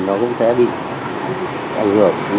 nó cũng sẽ bị ảnh hưởng